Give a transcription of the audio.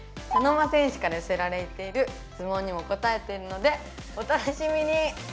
茶の間戦士から寄せられている質問にも答えているのでお楽しみに！